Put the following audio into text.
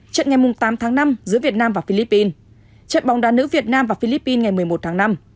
trận ngày tám tháng năm giữa việt nam và philippines trận bóng đá nữ việt nam và philippines ngày một mươi một tháng năm